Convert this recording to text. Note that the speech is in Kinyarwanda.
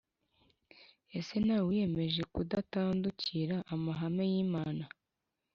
Ese nawe wiyemeje kudatandukira amahame y Imana